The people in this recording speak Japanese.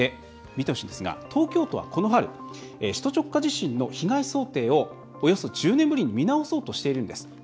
見てほしいんですが、東京都はこの春、首都直下地震の被害想定をおよそ１０年ぶりに見直そうとしているんです。